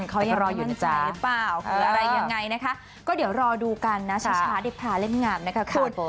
เขายังรออยู่ในใจหรือเปล่าหรืออะไรยังไงนะคะก็เดี๋ยวรอดูกันนะช้าได้พลาเล่นงามนะคะคุณ